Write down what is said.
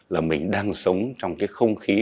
là mình đang sống trong cái không khí